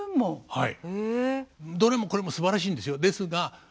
はい。